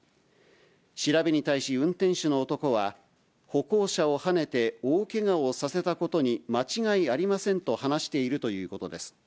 調べに対し、運転手の男は、歩行者をはねて大けがをさせたことに間違いありませんと話しているということです。